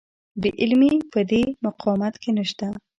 بې عملي په دې مقاومت کې نشته.